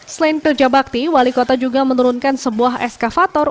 selain pilja bakti wali kota juga menurunkan sebuah eskavator